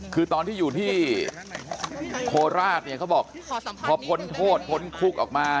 คือตอนที่อยู่ที่โคราชเนี่ยเขาบอกพอพ้นโทษพ้นคุกออกมา